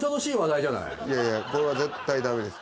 いやいやこれは絶対駄目です。